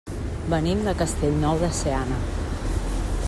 Venim de Castellnou de Seana.